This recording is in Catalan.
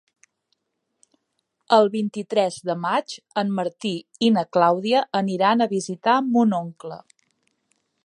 El vint-i-tres de maig en Martí i na Clàudia aniran a visitar mon oncle.